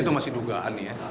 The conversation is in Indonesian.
itu masih dugaan ya